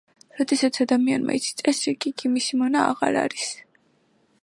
როდესაც ადამიანმა იცის წესრიგი, იგი მისი მონა აღარ არის.